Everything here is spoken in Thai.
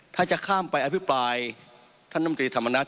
ถ้าจะข้ามไปอธิบายท่านมตรีธรรมนัท